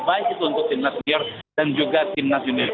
baik itu untuk timnas new york dan juga timnas indonesia